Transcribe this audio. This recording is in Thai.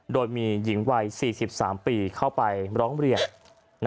โดยมีหญิงวัย๔๓ปีเข้าไปร้องเรียน